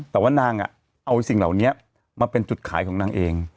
แต่ว่านางเอาสิ่งเหล่านี้มาเป็นจุดขายของนางเอง